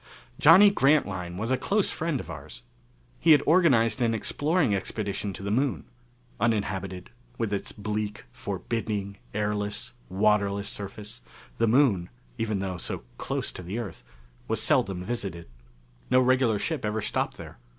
Johnny Grantline was a close friend of ours. He had organized an exploring expedition to the Moon. Uninhabited, with its bleak, forbidding, airless, waterless surface, the Moon even though so close to the Earth was seldom visited. No regular ship ever stopped there.